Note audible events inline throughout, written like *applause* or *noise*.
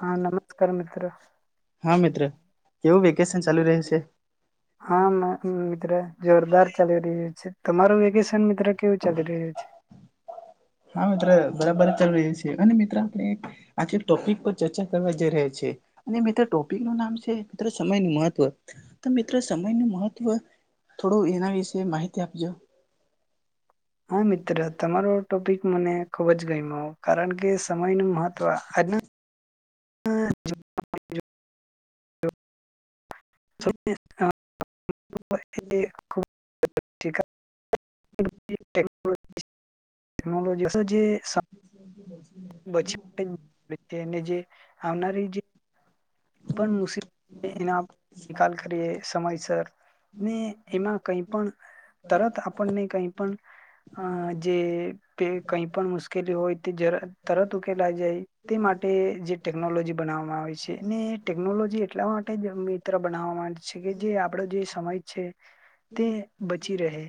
હા, નમસ્કાર મિત્ર. હા, મેં-મિત્ર જોરદાર ચાલી રહું છે. તમારું વેકેશન મિત્ર કેવું ચાલી રહ્યું છે? હા, મિત્ર બરાબર ચલ રહું છે. અને મિત્ર આપણે એક આજે ટોપિક પર ચર્ચા કરવા જઈ રહ્યા છે અને મિત્રો ટોપિક નું નામ છે મિત્રો સમય નું મહત્વ. તો મિત્રો સમય નું મહત્વ થોડું એના વિશે માહિતી આપજો. હા, મિત્ર તમારો ટોપિક મને ખુબજ ગઈમયો. કારણ કે સમય નું મહત્વ આજના *unintelligible* *unintelligible* *inaudible* *inaudible* ટેકનોલોજી શું જે સા આવનારી જે પણ મુસીબતે એના નિકાલ કરીએ સમયસર ને એમાં કઈ પણ તરત આપણને કઈ પણ અ જે કઈ પણ મુશ્કેલી હોય તે તરત ઉકેલા જાય. તે માટે જે ટેકનોલોજી બનાવવામાં આવે છે ને ટેકનોલોજી એટલા માટે જ મિત્ર બનાવવા માંડે છે કે જે આપડો જે સમય છે તે બચી રહે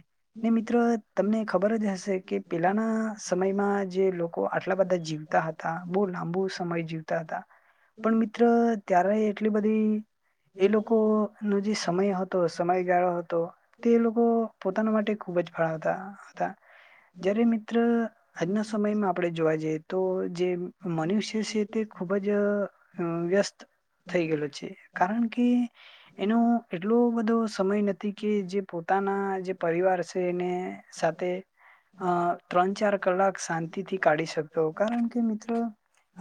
ને મિત્રો તમને ખબર જ હશે કે પહેલાંના સમયમાં જે લોકો આટલા બધા જીવતા હતા. બહુ લાંબુ સમય જીવતા હતા પણ મિત્ર ત્યારે એટલી બધી એ લોકો નો જે સમય હતો સમયગાળો હતો તે લોકો પોતાના માટે ખૂબ જ ફાળવતા હતા જય્યારે મિત્ર આજના સમયમાં આપણે જોવા જઈએ તો જે મનુષ્ય છે તે ખૂબ જ અ વ્યસ્ત થઈ ગયેલો છે. કારણ કે એનો એટલો બધો સમય નથી કે જે પોતાના જે પરિવાર છે એને સાથે અ ત્રણ ચાર કલાક શાંતિથી કાઢી શકતો કારણ કે મિત્રો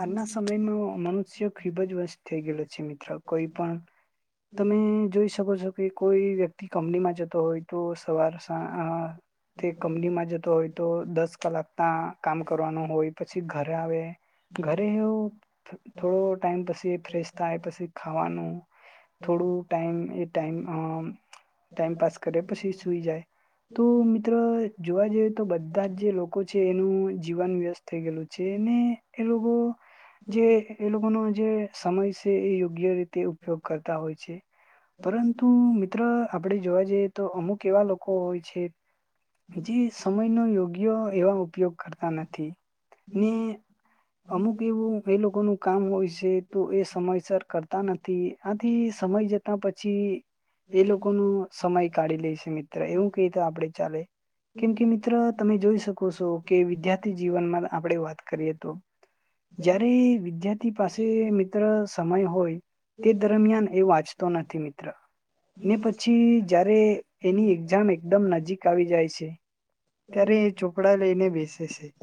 આના સમયમાં મ છે ખૂબ જ વસ્તી થઈ ગયેલી છે મિત્ર. કોઈ પણ તમે જોઈ શકો છો કે કોઈ વ્યક્તિ કંપનીમાં જતો હોય તો સવાર સા તે કંપનીમાં જતો હોય તો દસ કલાક તા કામ કરવાનું હોય પછી ઘરે આવે ઘરે થોડો ટાઈમ પછી ફ્રેશ થાય, પછી ખાવાનું થોડું ટાઈમ એ ટાઈમ ટાઈમ પાાસ કરે પછી સૂઈ જાય તો મિત્ર જોવા જઈએ તો બ બધા જ જે લોકો છે એનું જીવન વ્યસ્ત થઈ ગેયલું છે ને એ લોકો જે એ લોકોનો જે સમય સે એ યોગ્ય રીતે ઉપયોગ કરતા હોય છે, પરંતુ મિત્ર આપડે જોવા જઈએ તો અમુક એવા લોકો હોય છે જે સમયનો યોગ્ય એવા ઉપયોગ કરતા નથી ને અમુક એવું એ લોકોનું કામ હોય છે તો એ સમયસર કરતા નથી, આથી સમય જતા પછી એ લોકોનો સમય કાઢી લેય છે મિત્ર, એવું કેય તો આપડે ચાલે કેમ કે મિત્ર તમે જોઈ શકો સો કે વિદ્યાર્થી જીવનમાં આપડે વાત કરીએ તો જ્યારે એ વિદ્યાર્થી પાસે મિ ત્ર સમય હોય તે દરમિયાન એ વાંચતો નથી મિ ત્ર ને પછી જયારે એની એક જામ એકદમ નજીક આવી જાય છે. ત્યારે એ ચોપડા લઈને બેસે સે,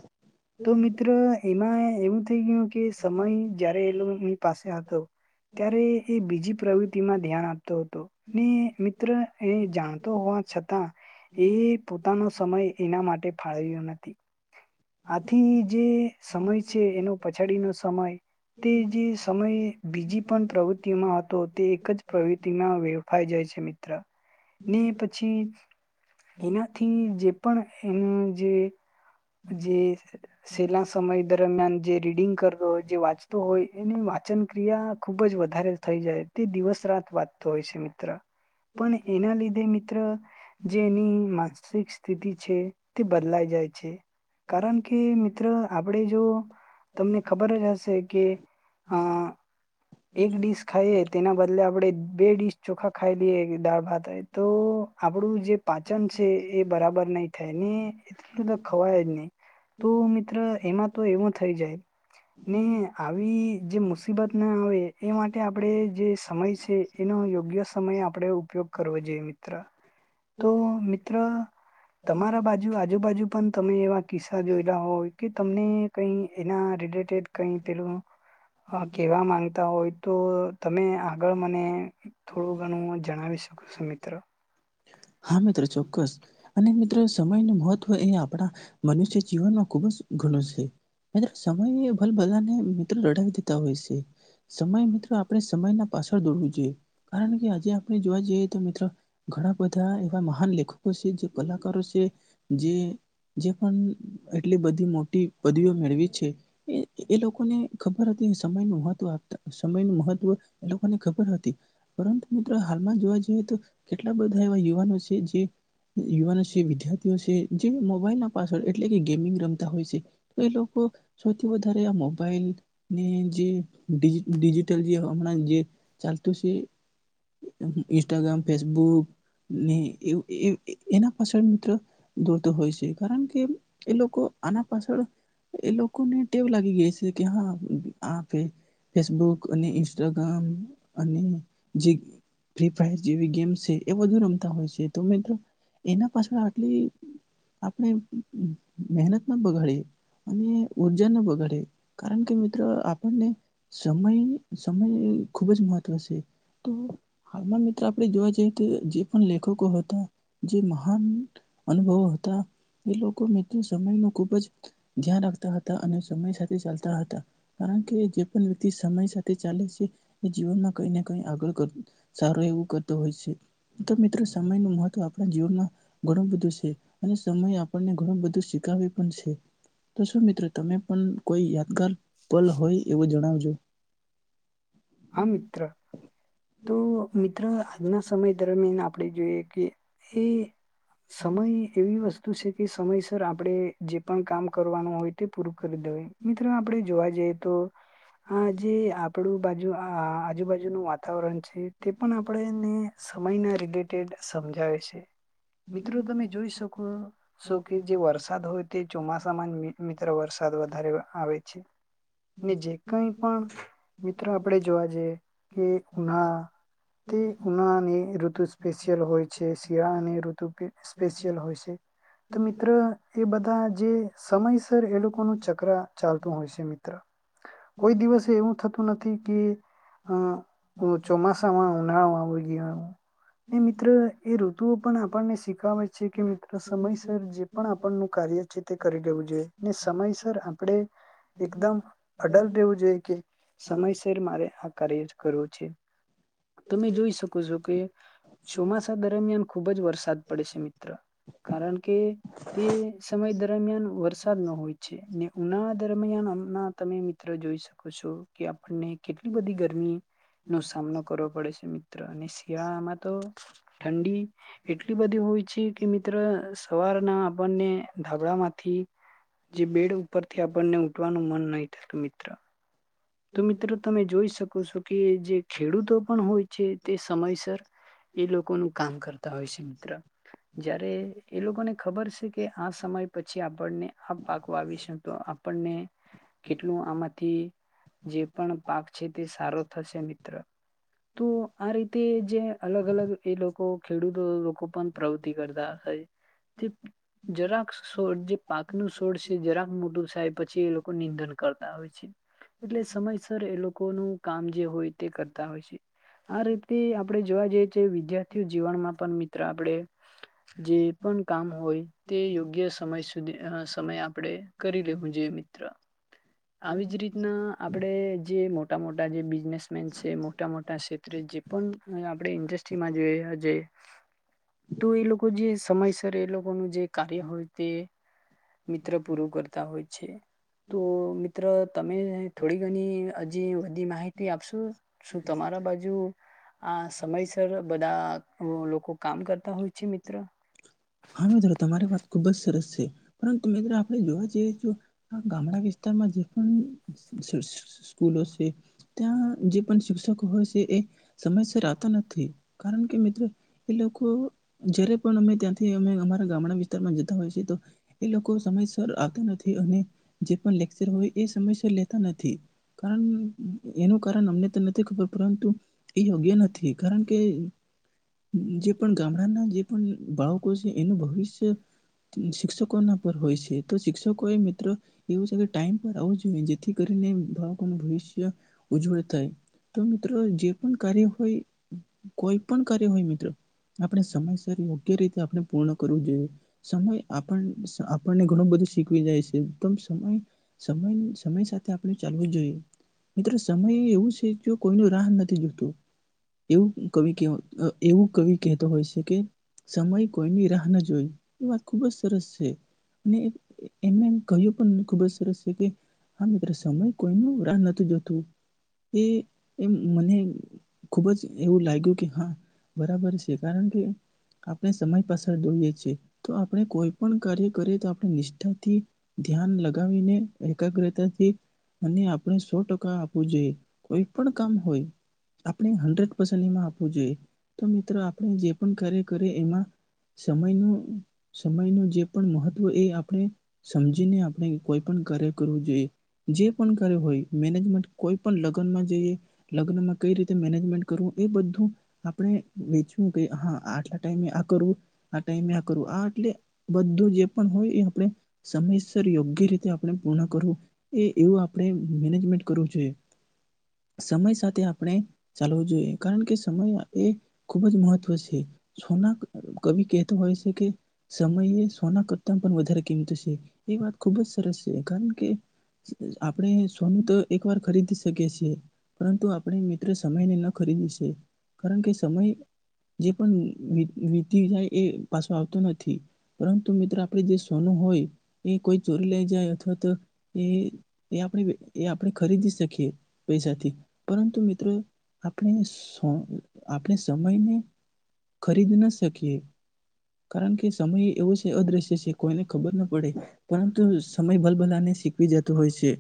તો મિત્ર એમાં એવું થઈ ગયું કે સમય જારે એ લોકોની પાસે હતો, ત્યારે એ બીજી પ્રવૃતિમાં ધ્યાન આપતો હતો ને મિત્ર એ જાણતો હોવા છતાં એ પોતાનો સમય એના માટે ફાળવ્યો નથી, આથી જે સમય છે એનો પછાડીનો સમય, તે જે સમયે બીજી પણ પ્રવુતિમાં હતો તે એક જ પ્રવુતિમાં વેરફાઈ જાય છે મિત્ર ને પછી એનાથી જે પણ એનું જે જે સેલા સમય દરમિયાન જે રીડિંગ કરતો હોય, જે વાંચતો હોય, એની વાંચન ક્રિયા ખુબ જ વધારે થઈ જાય, તે દિવસ રાત વાંચતો હોય છે મિત્ર. પણ એના લીધે મિત્ર જેની મા *unintelligible* સ્થિતિ છે. તે બદલાઈ જાય છે. કારણ કે મિત્ર આપણે જો તમને ખબર જ હશે કે અ એક ડીશ ખાઈએ તેના બદલે આપણે બે ડીશ ચોખા ખાઈ લઈએ, દાળ ભાત તો આપડું જે પાચન છે એ બરાબર નહી થાય ને એટલું તો ખવાય જ નહી તો મિત્ર એમાં તો એવો થઈ જાય ને આવી જે મુસીબત ના આવે એ માટે આપણે જે સમય છે એનો યોગ્ય સમય આપણે ઉપયોગ કરવો જોઈએ મિત્ર. તો મિત્ર તમારા બાજુ આજુબાજુ પણ તમે એવા કિસ્સા જોયેલા હોય કે તમને કઈ એના રિલેટેડ કઈ તેલ કેવા માં તા હોય તો તમે આગળ મને થોડું ઘણું જણાવી શકો છો મિત્ર. હા મિત્રો ચોક્કસ. અને મિત્રો સમય નું મહત્વ એ આપણા મનુષ્ય જીવનમાં ખુબ જ ઘણું શે. અને સમય ભલ બલાને મિત્રો રડાવી દેતા હોય શે. સમય મિત્રો આપણે સમય ના પાછળ દોડવું જોઈએ. કારણ કે આજે આપણે જોવા જઈએ તો મિત્રો ઘણા બધા એવા મહાન લેખકો શે, જે કલાકારો શે જે પણ એટલી બધી મોટી પદવીઓ મેળવી છે. એ એ લોકોને ખબર હતી સમયનું મહત્વ આપતા સમય નું મહત્વ એ લોકોને ખબર હતી પરંતુ મિત્રો હાલમાં જોવા જઈએ તો કેટલા બ યુવાનો છે જે યુવાનો છે, વિદ્યાર્થીઓ છે, જે મોબાઈલ ના પાસર્ડ એટલે કે ગેમિંગ રમતા હોય છે એ લોકો સૌથી વધારે આ મોબાઈલને ડિજિ ડીજિટલ જે હમણાં જે ચાલતું છે ઇન્સ્ટાગ્રામ, ફેસબુક ને એના પાછળ મિત્રો દોરતો હોય છે કારણ કે એ લોકો આના પાછળ એ લોકોને ટેવ લાગી ગયા છે કે હા આપે ફેસબુક અને ઇન્સ્ટાગ્રામ અને જે ફ્રી ફાયર જેવી ગેમ શે એ વધુ રમતા હોય શે તો મિત્રો એના પાછળ આટલી આપણે મહેનત ના બગાડીએ અને ઉર્જા ના બગાડીએ કારણ કે મિત્રો આપણને સમય સમય ખૂબ જ મહત્વ શે તો હાલમાં મિત્રો આપણે જોવા જ તો જે પણ લેખકો હતા, જે મહાન અનુભવો હતા, એ લોકો મિત્રો સમય ન ખુબ જ ધ્યાન રાખતા હતા અને સમય સાથે ચાલતા હતા. કારણ કે જે પણ વ્યક્તિ સમય સાથે ચાલે છે એ જીવનમાં કઈ ને કઈ આગળ સારું એવું કરતો હોય છે. તો મિત્રો સમય ન મહત્વ આપણા જીવનમાં ઘણું બધું શે અને સમય આપણને ઘણું બધું શીખ પણ શે તો શું મિત્રો તમે પણ કોઈ પલ હોય એવું જણાવજો. આ મિત્ર. તો મિત્ર આજના સમય દરમિયાન આપણે જોઈએ કે એ સમય એવી વસ્તુ છે કે સમયસર આપડે જે પણ કામ કરવાનું હોય તે પૂરું કરી દેવાય, મિત્ર આપડે જોવા જઈએ તો આ જે આપડુ બાજુ આ આજુબાજુનું વાત તાવરણ છે તે પણ આપડેને સમયના રિલેટેડ સમજાવે છે, મિત્રો તમે જોઈ શકો સો કે જે વરસાદ હોય તે ચોમાસામાં જ મિ મિત્ર વર સાદ વધારે આવે છે. ને જે કઈ પણ મિત્રો આપણેે જોવા જઈ કે ઉના તે ઉના અને ઋતુ સ્પેશિયલ હોય છે, શળા અને ઋતુ સ્પેશિયલ હોય છે તો મિત્ર એ બધા જે સમયસર એ લોકોનું ચક્ર ચાલતું હોય છે મિત્ર. કોઈ દિવસે એવું થતું નથી કે અ ચોમાસામાં ઉનાળો આવ ગયો મિત્ર એ ઋતુઓ પણ આપણને શીખાવે છે કે મિત્ર સમયસર જે પણ આપણનું કાર્ય છે તે કરી દેવું જોઈએ, ને સમયસર આપણે એકદમ અડલ દેવું જોઈએ, કે સમયસર મારે આ કાર્ય ચ કરવું. છે. તમે જોઈ શકો છો કે ચોમાસા દરમિયાન ખુબ જ વરસાદ પડે છે મિત્ર કારણ કે તે સમય દરમિયાન વરસાદ ન હોય છે, ને ઉનાળા દરમિયાન તમે મિત્રો જોઈ શકો છો. જો કે આપણને કેટલી બધી ગરમી ઇ નો કરવો પડે છે મિત્ર અને શિયાળામાં તો ઠંડી એટલી બધી હોય છે, કે મિત્ર સવારના આપણને ધાબડામાંથી જે બેડ ઉપરથી આપને ઉઠવાનું મન નહી થતુ મિત્ર. તો મિત્રો તમે જોઈ શકો છો કે જે ખેડૂતો પણ હોય છે તે સમયસર એ લોકોનું કામ કરતા હોય છે મિત્ર. જ્યારે એ લોકોને ખબર છે કે આ સમય પછી આપણને આ પાકો આવી શ તો આપણને કેટલું આમાંથી જે પણ પાક છે, તે સારો થશે મિત્ર. તો આ રીતે જે અલગ અલગ અલગ એ લોકો ખેડૂતો પણ પ્રવૃતિ કરતા હય જરાક શોડ જે પાકનું સોડ છે જરાક મોટું સાય પછી એ લોકો નિંદન કરતા હોય છે. એટલે સમયસર એ લોકો લોકોનુ કામ જે હોય તે કરતા હોય છે. આ રીતે આપણે જોવા જઈએી વિદ્યાર્થીઓ જીવનમાં પણ મિત્ર આપણે જે પણ કામ હોય તે યોગ્ય સમય સુધી સમય આપણે કરી લેવું જોઈએ મિત્ર. આવી જ રીતના આપણે જે મોટા મોટા જે બિઝનેસમેન છે, મોટા મોટા ક્ષેત્રે જે પણ આપણે ઇન્ડસ્ટ્રીમાં જોઈજ તો એ લોકો જે સમયસર એ લોકો નુ જે કાર્ય હોઈતે મિત્ર પૂરું કરતા હોય છે. તો મિત્ર તમે થોડી ઘણી જે બધી માહિતી આપશું શું, તમારા બાજુ આ સમયસર બધા લોકો કામ કરતા હોય છે? મિત્ર. હા મિત્ર તમારી વાત ખુબ જ સરસ છે. પરંતુ મિત્ર આપણે જોવા જઈએ તો આ ગામડા વિસ્તારમાં જે પણ સુર સ્કૂલો છે ત્યા જે પણ શી *unintelligible* હોય સે એ સમયર આવતા નથી કારણ કે મિ એ લોકો જયારે પણ અમે ત્યાંથ અમે અમારા ગામડા વિસ્તારમાં જતા હોય છે, તો એ લોકો સમયસર આવતા નથી અને જે પણ લેક્ચર હોય એ સમયસર લેતા નથી, કારણ એનું કારણ અમને તો નથી ખબર, પરંતુ એ યોગ્ય નથી કારણ કે જે પણ ગામડાના જે પણ બાળ કો સે, એનું ભવિષ્ય શિક્ષકોના પર હોય સે, તો શિક્ષકો એ મિત્ર એવું છે કે ટાઈમ પર આવવું જોઈએ જેથી કરીને બાળકોનું ભવિષ્ય ઉજ્જવળ થાય, તો મિત્ર જે પણ કાર્ય હોય કોઈ પણ કાર્ય હોય મિત્ર આપડે સમયસ ર યોગ્ય રી ને આપડે પૂર્ણ કરવું જોઈએ. સમય આપણને ઘણું બધું શીખવી જાય છે. સમય સમય સમય સાથે આપણે ચાલવું જોઈએ. મિત્રો સમય એવું શે જો કોઈ રાહ નથી જોતો એવું કવિ એવું કવિ કહેતો હોય શે કે સમય કોઈની રાહ ન જોઈએ વાત ખુબ જ સરસ છે અને એમને એમ કહ્યું પણ ખુબ જ સરસ રીતે હા મિત્ર સમય કોઈ ની રાહ નથી જોતું એ એમ મને ખુબ જ એવું લાગ્યું કે હા બરાબર છે કારણ કે આપણે પાસે જઈએ છીએ તો આપણે કોઈ પણ કાર્ય કરીએ તો આપણે નિષ્ઠાથી, ધ્યાન લગાવીને, એકાગ્રતાથી અને આપણે સો ટકા આપવું જોઈએ. કોઈ પણ કામ હોય આપણે હન્ડ્રેડ પરસેન્ટ આપવું જોઈએ. તો મિત્રો આપણે જે પણ કાર્ય કરીએ એમાં સમય નું સમય નું જે પણ મહત્વ એ આપણે સમજીને આપણે કોઈ પણ કાર્ય કરવું જોઈએ જે પણ કાર્ય હોય મેનેજમેન્ટ કોઈ પણ લગ્નમાં જઈએ લગ્નમાં કઈ રીતે મેનેજમેન્ટ કરવું એ બધું આપણે વેચવું કે હા આટલા ટાઈમે આ કરવું આ ટાઈમેં કરવું આ એટલે બધું જે પણ હોય એ સમયસર યોગ્ય રીતે આપણે પૂર્ણ કરવું. એ એવું આપણે મેનેજમેન્ટ કરવું જોઈએ. સમય સાથે આપણે ચાલવું જોઈએ કારણ કે સમય એ ખુબ જ મહત્વ શે સોના કવિ કહેતો હોય છે કે સમયે સોના કરતા પણ વધારે કિંમત છે એ વાત ખુબ જ સરસ છે કારણ કે આપણે સોનું તો એક વાર ખરીદી શકીએ છીએ પરંતુ આપણે મિત્ર સમયને ન ખરીદી છે કારણ કે સમય જે પણ મી મી તી ને એ પાછો આવતો નથી. પરંતુ મિત્રો આપણે જે સોનું હોય એ કોઈ ચોરી લઈ જાય અથવા તો એ આપણે એ આપણે ખરીદી શકીએ પૈસાથી પરંતુ મિત્રો આપણે સ આપણે સમયને ખરીદી *unintelligible* કારણ કે સમય એવો છે, અદ્રશ્ય છે કોઈને ખબર ના પડે પરંતુ સમય ભલભલાને શીખવી જતો હોય છે.